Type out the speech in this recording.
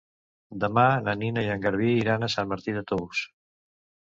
Demà na Nina i en Garbí iran a Sant Martí de Tous.